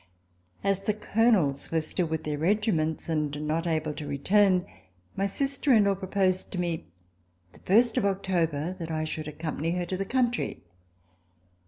As the Colonels were still with their regiments and not able to return, my sister in law proposed to me the first of October that I should accompany her to the country.